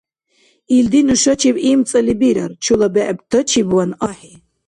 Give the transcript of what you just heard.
Ишди нушачиб имцӀали бирар, чула бегӀтачибван ахӀи.